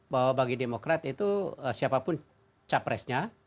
bahwa bagi demokrat itu siapapun capresnya